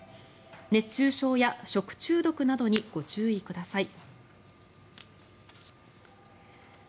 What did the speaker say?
熱中症や食中毒などにご注意ください。